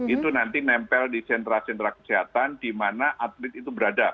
itu nanti nempel di sentra sentra kesehatan di mana atlet itu berada